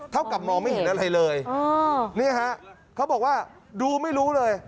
กับมองไม่เห็นอะไรเลยนี่ฮะเขาบอกว่าดูไม่รู้เลย